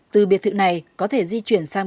từ biệt thự này có thể di chuyển sang